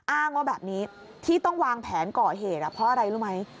อ้างว่าแบบนี้ที่ต้องวางแผนก่อเหตุเพราะอะไรรู้ไหม